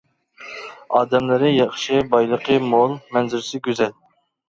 ئادەملىرى ياخشى، بايلىقى مول، مەنزىرىسى گۈزەل.